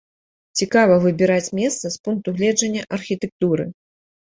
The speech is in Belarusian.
Цікава выбіраць месца з пункту гледжання архітэктуры.